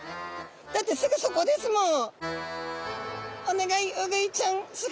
だってすぐそこですもん。